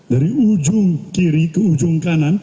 dari ujung kiri ke ujung kanan